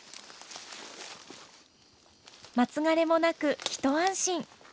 松枯れもなく一安心。